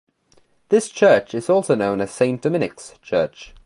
This church is also known as Saint Dominic's Church.